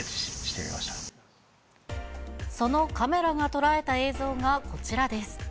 そのカメラが捉えた映像がこちらです。